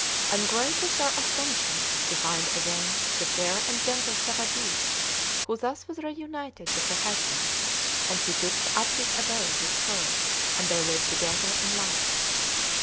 And great was their astonishment to find again the fair and gentle Thawadee, who thus was reunited to her husband; and he took up his abode with her, and they lived together in love.